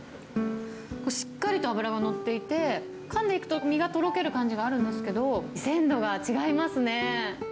しっかりと脂が乗っていて、かんでいくと身がとろける感じがあるんですけど、鮮度が違いますね。